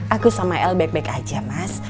aku sama el baik baik aja mas